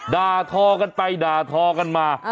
ด่าทอกันไปด่าทอกันมา